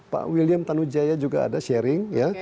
pak william tanujaya juga ada sharing